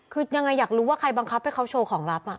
คือยังไงอยากรู้ว่าใครบังคับให้เขาโชว์ของลับ